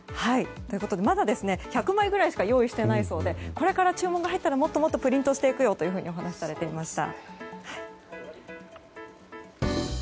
まだ１００枚くらいしか用意していないそうでこれから注文が入ったらもっともっとプリントしていくとお話しされていました。